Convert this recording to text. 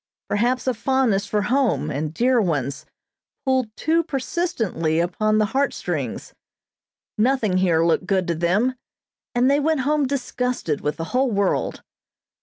Perhaps a fondness for home, and dear ones, pulled too persistently upon the heartstrings; nothing here looked good to them, and they went home disgusted with the whole world.